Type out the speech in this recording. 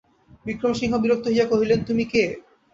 বিক্রমসিংহ বিরক্ত হইয়া কহিলেন, তুমি কে?